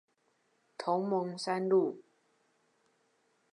同盟三路